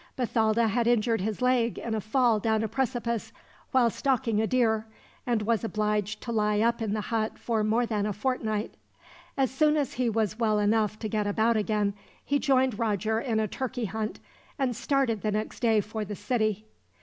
Bathalda had injured his leg in a fall down a precipice, while stalking a deer; and was obliged to lie up in the hut for more than a fortnight. As soon as he was well enough to get about again, he joined Roger in a turkey hunt, and started the next day for the city.